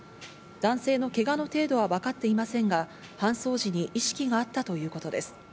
男性のけがの程度はわかっていませんが、搬送時に意識があったということです。